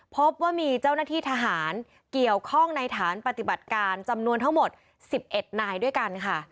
พบว่ามีเจ้าหน้าที่ทหารเกี่ยวข้องในฐานปฏิบัติการจำนวนทั้งหมด๑๑นายด้วยกันค่ะ